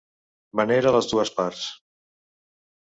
Venera les dues parts.